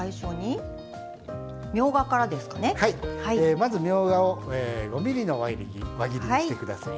まずみょうがを５ｍｍの輪切りにしてください。